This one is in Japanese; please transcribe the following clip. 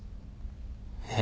えっ？